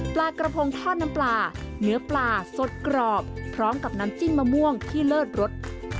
ปลากระพงทอดน้ำปลาเนื้อปลาสดกรอบพร้อมกับน้ำจิ้มมะม่วงที่เลิศรส